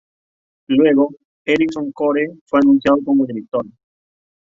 Luego, Ericson Core fue anunciado como director.